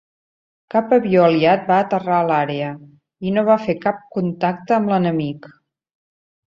Cap avió aliat va aterrar a l'àrea, i no va fer cap contacte amb l'enemic.